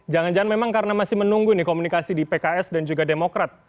jangan jangan memang karena masih menunggu nih komunikasi di pks dan juga demokrat